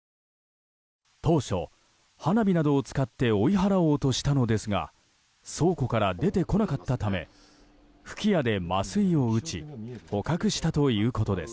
当初、花火などを使って追い払おうとしたのですが倉庫から出てこなかったため吹き矢で麻酔を撃ち捕獲したということです。